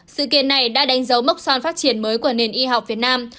sự kiện này đã đánh dấu mốc son phát triển mới của nền y học việt nam